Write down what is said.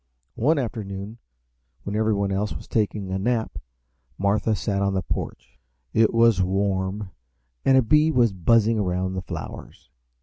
One afternoon, when everyone else was taking a nap, Martha sat on the porch. It was warm and a bee was buzzing around the flowers.